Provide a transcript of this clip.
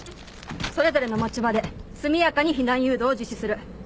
それぞれの持ち場で速やかに避難誘導を実施する。